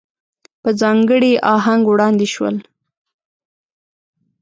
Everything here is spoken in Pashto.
په ځانګړي آهنګ وړاندې شول.